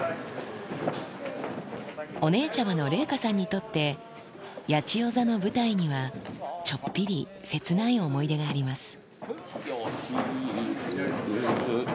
お姉ちゃまの麗禾さんにとって、八千代座の舞台には、ちょっぴり切ない思い出があります。